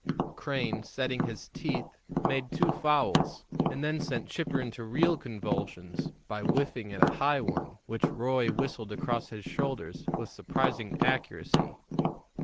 Crane, setting his teeth, made two fouls, and then sent Chipper into real convulsions by whiffing at a high one which Roy whistled across his shoulders with surprising accuracy.